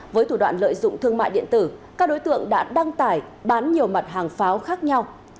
với thủ đoạn lợi dụng thương mại điện tử các đối tượng đã đăng tải bán nhiều mặt hàng pháo khác nhau